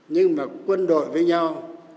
nhưng mà quân đội với nhau